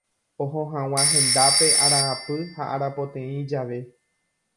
Oho hag̃ua hendápe araapy ha arapoteĩ jave.